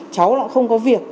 cháu nó không có việc